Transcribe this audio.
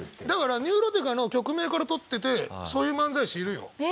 だからニューロティカの曲名から取っててそういう漫才師いるよ。